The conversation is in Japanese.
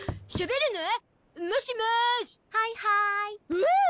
おお！